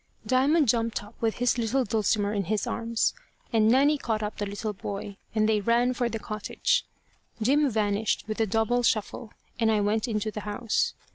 Diamond jumped up with his little Dulcimer in his arms, and Nanny caught up the little boy, and they ran for the cottage. Jim vanished with a double shuffle, and I went into the house.